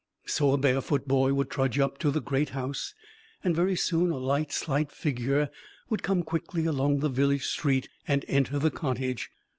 So a barefoot boy would trudge up to the great house, and very soon a light, slight figure would come quickly along the village street and enter the cottage.